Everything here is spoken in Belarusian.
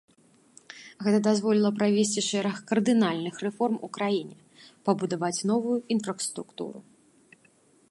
Гэта дазволіла правесці шэраг кардынальных рэформ у краіне, пабудаваць новую інфраструктуру.